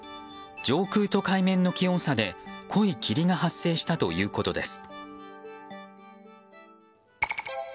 上空と海面の気温差で濃い霧が発生したということです。